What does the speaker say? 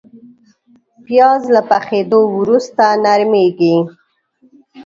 پیاز له پخېدو وروسته نرمېږي